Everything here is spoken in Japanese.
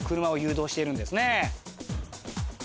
車を誘導しているんですね。